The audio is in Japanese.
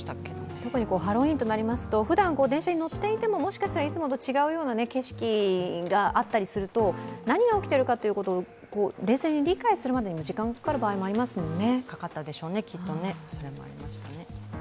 特にハロウィーンとなりますと、ふだん電車に乗っていてももしかしたらいつもと違うような景色があったりすると何が起きているかを冷静に理解するまで時間がかかる場合もありますもんね。